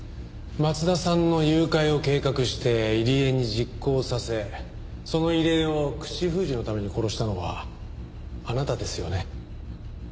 松田さんの誘拐を計画して入江に実行させその入江を口封じのために殺したのはあなたですよね？